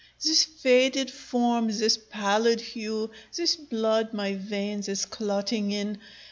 This faded form! this pallid hue! This blood my veins is clotting in!